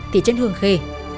thị trấn hương khê